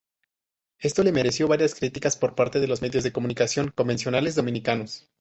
Esto le mereció varias críticas por parte de los medios de comunicación convencionales dominicanos.